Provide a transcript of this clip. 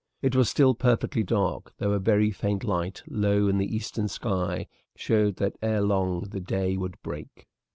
It was still perfectly dark, though a very faint light, low in the eastern sky, showed that ere long the day would break.